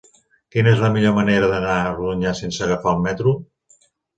Quina és la millor manera d'anar a Rodonyà sense agafar el metro?